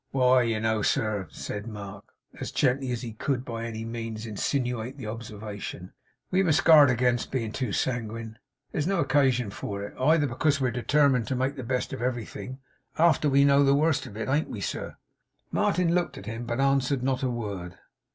'Why, you know, sir,' said Mark, as gently as he could by any means insinuate the observation, 'we must guard against being too sanguine. There's no occasion for it, either, because we're determined to make the best of everything, after we know the worst of it. Ain't we, sir?' Martin looked at him, but answered not a word.